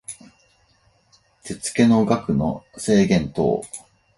手付の額の制限等